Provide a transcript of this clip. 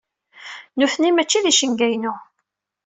Nutni mačči d icenga-inu.